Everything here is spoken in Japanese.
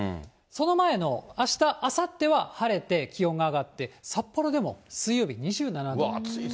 その前のあした、あさっては晴れて気温が上がって、札幌でも最高うわぁ、暑いですね。